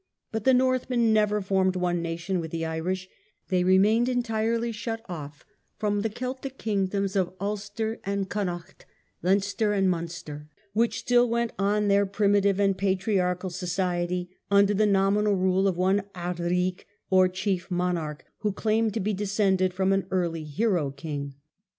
But the Northmen never formed one nation with the Irish: they remained entirely shut off from the Celtic kingdoms of Ulster, Connaught, Leinster, and Munster, which still went on in their primitive and patriarchal society under the nominal rule of one Ard Righy or chief monarch, who claimed to be descended from an early hero king.